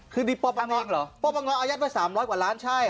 คือดิปป้องร้อยอาญาติไว้๓๐๐กว่าล้านใช่